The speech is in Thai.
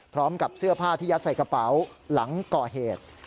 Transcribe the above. พร้อมกับเสื้อผ้าที่ยัดใส่กระเป๋าหลังก่อเหตุ